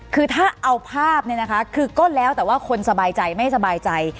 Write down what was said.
คือถ้าเอาภาพเนี่ยนะคะคือก็แล้วแต่ว่าคนสบายใจไม่สบายใจ